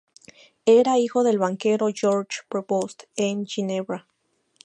Era hijo del banquero George Prevost, de Ginebra.